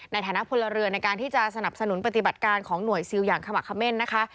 ในฐานะพลเรือนในการที่จะสนับสนุนปฏิบัติการของหน่วยซิลอย่างขมักเขม่นนะคะ